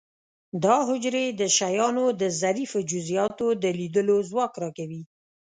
دا حجرې د شیانو د ظریفو جزئیاتو د لیدلو ځواک را کوي.